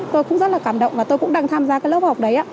tôi cũng rất là cảm động và tôi cũng đang tham gia cái lớp học đấy ạ